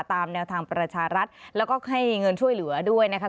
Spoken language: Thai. ตามแนวทางประชารัฐแล้วก็ให้เงินช่วยเหลือด้วยนะคะ